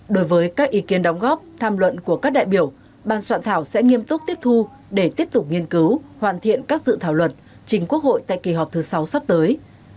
đối với các ý kiến đóng góp tham luận của các đại biểu ban soạn thảo sẽ nghiêm túc tiếp thu để tiếp tục nghiên cứu hoàn thiện các dự thảo luật trình quốc hội tại kỳ họp thứ sáu sắp tới